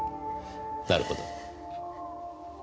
なるほど。